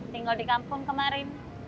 tinggal di kampung kemarin